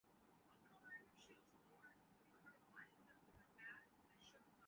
بہت ہی فضول ہے۔